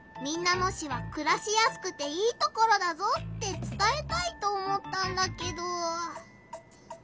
野市はくらしやすくていいところだぞってつたえたいと思ったんだけど。